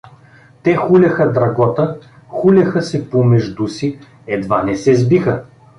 Те хулеха Драгота, хулеха се помежду си, едва не се сбиха.